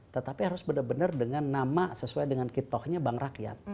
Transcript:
tetapi harus benar benar dengan nama sesuai dengan kitohnya bank rakyat